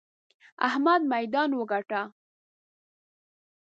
احمد ميدان وګاټه!